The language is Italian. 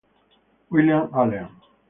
William Allen